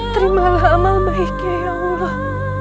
terimalah amal baiknya ya allah